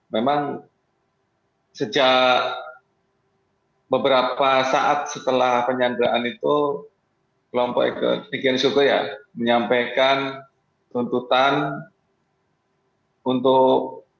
memang sejak beberapa saat setelah penyanderaan itu kelompok ikn sukoya menyampaikan tuntutan untuk